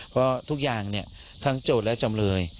เพราะทุกอย่างทั้งโจทย์และจำเลย